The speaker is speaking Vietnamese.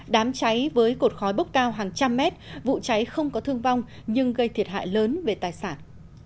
đám cháy với cột khói bốc cao hàng trăm mét vụ cháy không có thương vong nhưng gây thiệt hại lớn về tài sản